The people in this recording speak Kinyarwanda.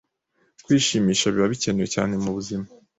Kwishimisha biba bikenewe cyane mu buzima